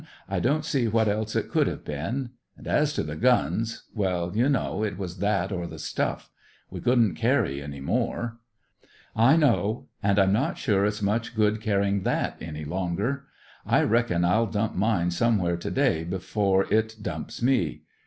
"I don't see what else it could have been. And as to the guns; well, you know, it was that or the stuff. We couldn't carry any more." "I know. And I'm not sure it's much good carrying that any longer. I reckon I'll dump mine somewhere to day, before it dumps me.